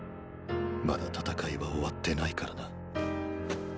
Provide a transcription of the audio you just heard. まだ戦いは終わってないからな。